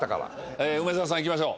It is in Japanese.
え梅沢さんいきましょう。